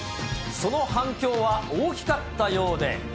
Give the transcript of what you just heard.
その反響は大きかったようで。